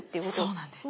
そうなんです。